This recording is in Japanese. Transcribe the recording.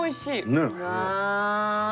ねっ。